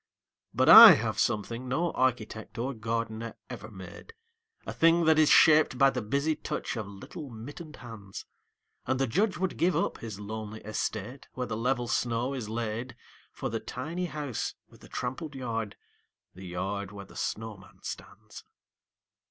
But I have something no architect or gardener ever made, A thing that is shaped by the busy touch of little mittened hands: And the Judge would give up his lonely estate, where the level snow is laid For the tiny house with the trampled yard, the yard where the snowman stands.